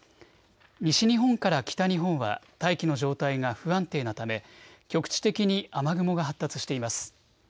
西日本から北日本は大気の状態が不安定なため局地的に雨雲が発達しています。